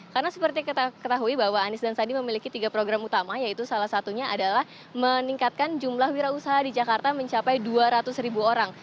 karena seperti kita ketahui bahwa anis dan sandi memiliki tiga program utama yaitu salah satunya adalah meningkatkan jumlah wira usaha di jakarta mencapai dua ratus ribu orang